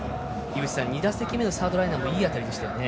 ２打席目のサードライナーもいい当たりでしたね。